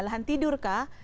lahan tidur kah